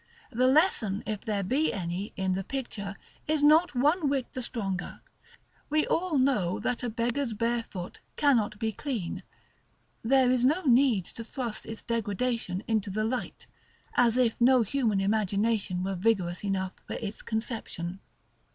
The lesson, if there be any, in the picture, is not one whit the stronger. We all know that a beggar's bare foot cannot be clean; there is no need to thrust its degradation into the light, as if no human imagination were vigorous enough for its conception.